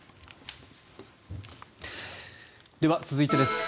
では、続いてです。